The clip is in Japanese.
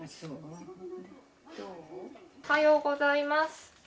おはようございます。